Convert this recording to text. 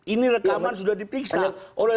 ini rekaman sudah dipiksa oleh